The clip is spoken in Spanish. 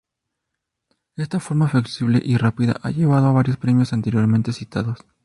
Esta forma flexible y rápida ha llevado a varios premios, anteriormente citados.